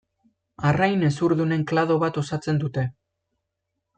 Arrain hezurdunen klado bat osatzen dute.